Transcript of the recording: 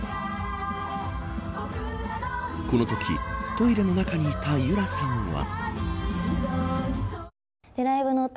このときトイレの中にいた由良さんは。